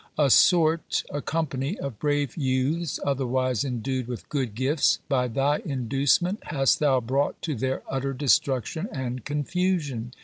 A sort (a company) of brave youths, otherwise endued with good gifts, by thy inducement hast thou brought to their utter destruction and confusion."